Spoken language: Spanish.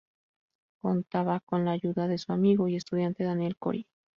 Contaba con la ayuda de su amigo y estudiante, Daniel Cory.